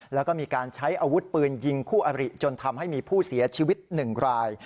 แล้วก็มีการใช้อาวุธปืนยิงคู่อบริจนทำให้มีผู้เสียชีวิต๑ราย